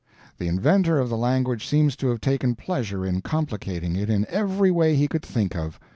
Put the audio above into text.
The inventor of the language seems to have taken pleasure in complicating it in every way he could think of.